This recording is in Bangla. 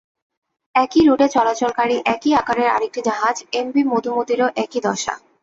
একই রুটে চলাচলকারী একই আকারের আরেকটি জাহাজ এমভি মধুমতিরও একই দশা।